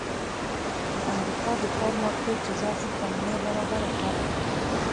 د امریکا د کار مارکېټ د جذب زمینه برابره کړه.